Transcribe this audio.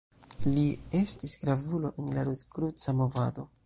Li estis gravulo en la Rozkruca movado.